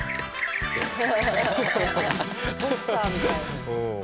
ボクサーみたい。